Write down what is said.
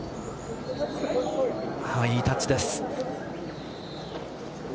いいタッチです。